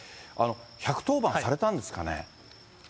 １１０番されたんですかね。